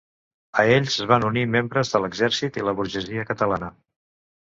A ells es van unir membres de l'exèrcit i la burgesia catalana.